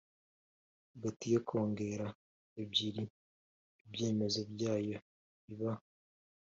hagati ya Kongere ebyiri Ibyemezo byayo biba